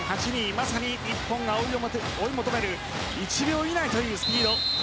まさに日本が追い求める１秒以内というスピード。